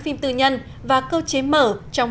phim tự nhân và cơ chế mở trong